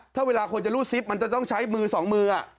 ถ้าเวลาคนจะรูดซิปมันจะต้องใช้มือสองมือ